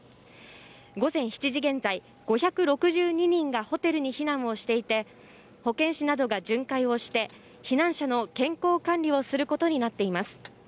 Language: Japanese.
午前７時現在、５６２人がホテルに避難をしていて、保健師などが巡回をして避難者の健康管理をすることになっています。